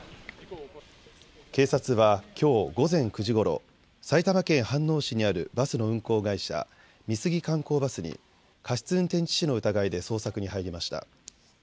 警察はきょう午前９時ごろ、埼玉県飯能市にあるバスの運行会社、美杉観光バスに過失運転致死の疑いで捜索に入りました。